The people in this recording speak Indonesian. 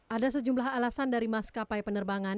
ada sejumlah alasan dari maskapai penerbangan